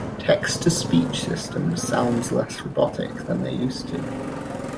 Text to speech systems sounds less robotic than they used to.